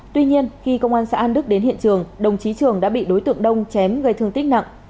tuy nhiên khi công an xã an đức đến hiện trường đồng chí trường đã bị đối tượng đông chém gây thương tích nặng